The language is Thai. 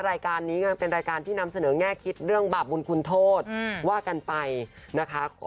รายการนี้เป็นรายการที่นำเสนอแง่คิดเรื่องบาปบุญคุณโทษว่ากันไปนะคะ